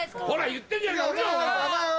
言ってんじゃねえか降りろ！